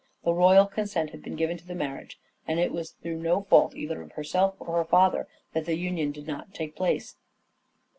The royal consent had been given to the marriage, and it was through no fault either of herself or her father that the union did not take place.